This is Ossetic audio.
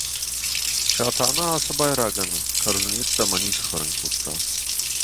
Сатана ацы байрагӕн кӕрдзын йеддӕмӕ ницы хӕрын кодта.